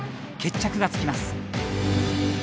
決着がつきます。